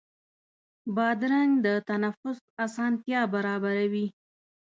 بادرنګ د تنفس اسانتیا برابروي.